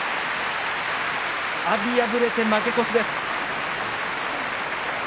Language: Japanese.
阿炎、敗れて負け越しです。